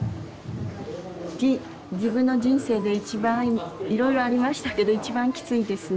自分の人生で一番いろいろありましたけど一番きついですね。